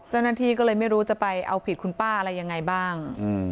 เจ้าหน้าที่ก็เลยไม่รู้จะไปเอาผิดคุณป้าอะไรยังไงบ้าง